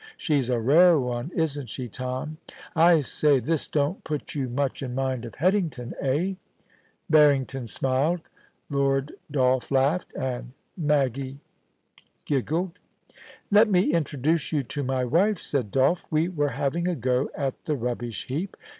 She's a rare one, isn't she, Tom ? I say, this don't put you much in mind of Headington, eh ?* Barrington smiled; Lord Dolph laughed, and Maggie giggled 6o POLICY AND PASSION, * Let me introduce you to my wife,' said Dolph. * We were having a go at the rubbish heap.